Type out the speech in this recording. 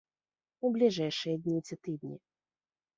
У бліжэйшыя дні ці тыдні.